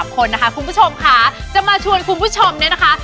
คุณผู้ชมขาจะมาชวนคุณผู้ชมแนะนะคะ